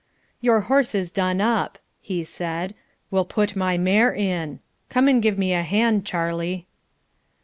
"Your horse is done up," he said. "We'll put my mare in. Come and give me a hand, Charlie."